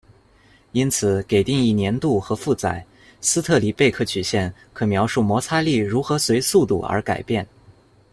因此，给定一黏度和负载，斯特里贝克曲线可描述摩擦力如何随速度而改变。